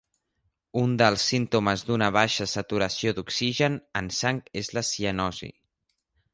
Un dels símptomes d'una baixa saturació d'oxigen en sang és la cianosi.